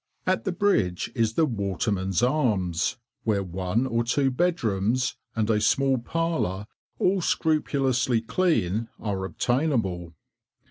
At the bridge is the "Waterman's Arms," where one or two bedrooms, and a small parlour, all scrupulously clean, are obtainable.